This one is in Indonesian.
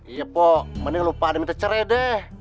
iya pok mending lo pade minta cerai deh